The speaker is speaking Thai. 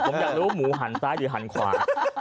ผมอยากรู้หมูหันซ้ายหรือหันขวา